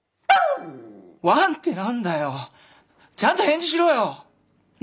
ワンって何だよちゃんと返事しろよなあ。